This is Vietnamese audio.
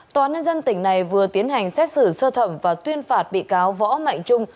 tòa án nhân dân tỉnh này vừa tiến hành xét xử sơ thẩm và tuyên phạt bị cáo võ mạnh trung